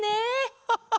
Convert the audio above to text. ハハハ！